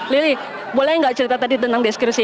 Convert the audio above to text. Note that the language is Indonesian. lili boleh gak cerita tadi tentang deskripsi